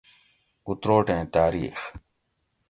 اُتروٹیں تاریخ